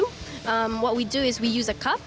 apa yang kita lakukan adalah menggunakan cup